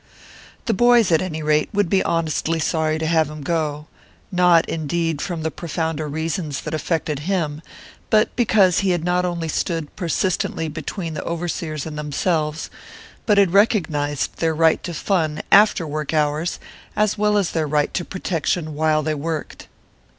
The boys, at any rate, would be honestly sorry to have him go: not, indeed, from the profounder reasons that affected him, but because he had not only stood persistently between the overseers and themselves, but had recognized their right to fun after work hours as well as their right to protection while they worked.